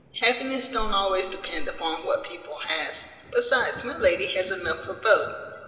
Happiness don't always depend upon what people has; besides, my lady has enough for both.